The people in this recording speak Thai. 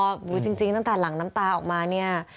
จริงตั้งแต่หลังน้ำตาออกมาเนี่ย